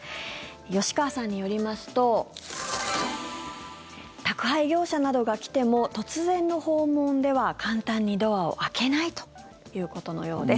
吉川さんによりますと宅配業者などが来ても突然の訪問では簡単にドアを開けないということのようです。